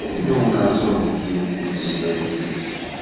Yenna unaẓuṛ deg yiwet n tezlatin-is.